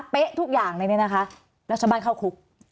เป๊ะทุกอย่างเลยเนี่ยนะคะแล้วชาวบ้านเข้าคุก